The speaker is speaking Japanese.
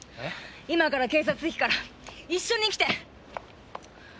今から警察行くから一緒に来て！